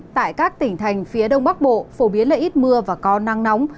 tại các tỉnh thành phía đông bắc bộ phổ biến là ít mưa và có nắng nóng